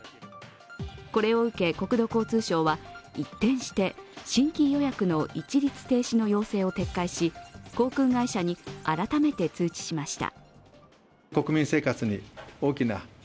これを受け国土交通省は一転して新規予約の一律停止の要請を撤回し航空会社に改めて通知しました。